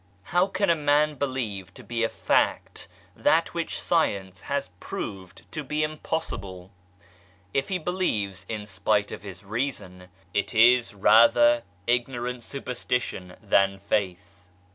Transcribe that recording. How can a man believe to be a fact that which Science has proved to be impossible ? If he believes in spite of his reason, it is rather ignorant superstition than faith.